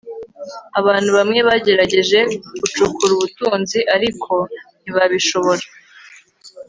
abantu bamwe bagerageje gucukura ubutunzi, ariko ntibabishobora